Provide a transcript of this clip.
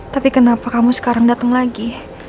tapi kenapa kamu sekarang datang lagi